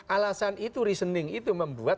alasan itu reasoning itu membuat